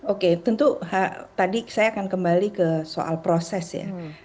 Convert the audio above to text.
oke tentu tadi saya akan kembali ke soal proses ya